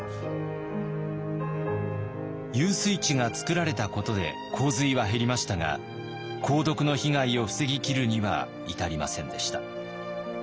遊水池が作られたことで洪水は減りましたが鉱毒の被害を防ぎきるには至りませんでした。